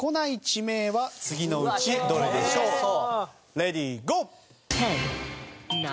レディゴー！